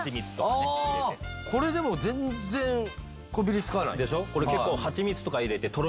これでも全然こびりつかない。